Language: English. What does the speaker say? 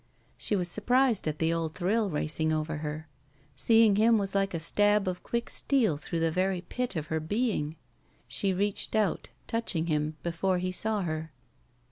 She was surprised at the old thrill racing over her. Seeing him was like a stab of quick steel through the very pit of her being. She reached out, touching him, before he saw her.